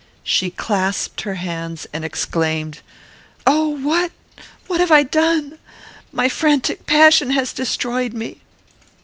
She clasped her hands, and exclaimed, "Oh! what! what have I done? My frantic passion has destroyed me."